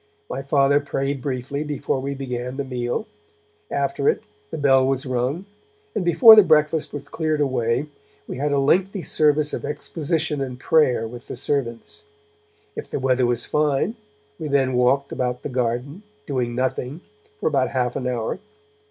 My Father prayed briefly before we began the meal; after it, the bell was rung, and, before the breakfast was cleared away, we had a lengthy service of exposition and prayer with the servants. If the weather was fine, we then walked about the garden, doing nothing, for about half an hour.